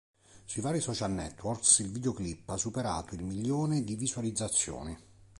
Sui vari social networks il videoclip ha superato il milione di visualizzazioni.